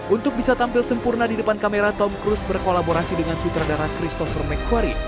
untuk bisa tampil sempurna di depan kamera tom cruise berkolaborasi dengan sutradara christosher mekwari